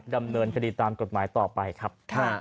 ดำเนินคดีตามกฎหมายต่อไปครับ